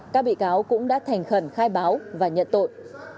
các bị cáo cũng đã thành khẩn khai báo và nhận tội